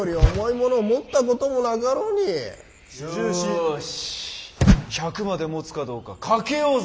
よし１００までもつかどうか賭けようぜ。